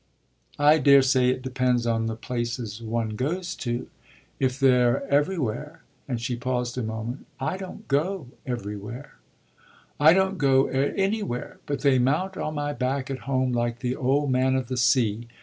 "I daresay it depends on the places one goes to. If they're everywhere" and she paused a moment "I don't go everywhere." "I don't go anywhere, but they mount on my back at home like the Old Man of the Sea.